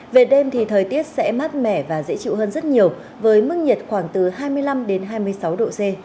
về đêm thì thời tiết sẽ mát mẻ và dễ chịu hơn rất nhiều với mức nhiệt khoảng từ hai mươi năm đến hai mươi sáu độ c